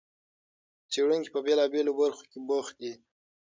څېړونکي په بېلابېلو برخو کې بوخت دي.